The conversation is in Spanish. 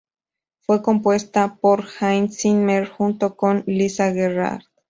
Fue compuesta por Hans Zimmer junto con Lisa Gerrard.